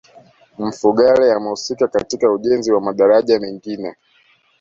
mfugale amehusika katika ujenzi wa madaraja mengine